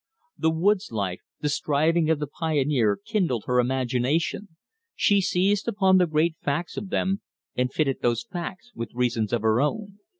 The woods life, the striving of the pioneer kindled her imagination. She seized upon the great facts of them and fitted those facts with reasons of her own.